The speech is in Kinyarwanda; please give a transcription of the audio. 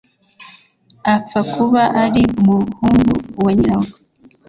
apfa kuba ari umumhungu wa nyirarwo